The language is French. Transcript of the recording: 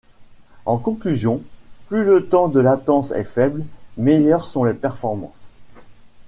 En conclusion, plus le temps de latence est faible, meilleures sont les performances.